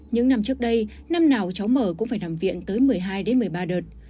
những năm trước đây năm nào cháu mở cũng phải nằm viện tới một mươi hai đến một mươi ba đợt